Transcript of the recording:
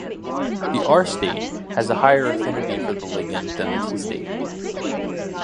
The R state has a higher affinity for the ligand than the T state.